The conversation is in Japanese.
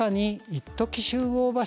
一時集合場所。